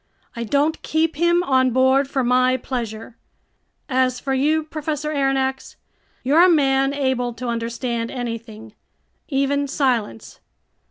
I don't keep him on board for my pleasure! As for you, Professor Aronnax, you're a man able to understand anything, even silence.